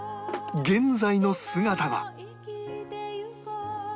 現在の姿は